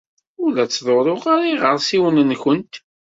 Ur la ttḍurruɣ ara iɣersiwen-nwent.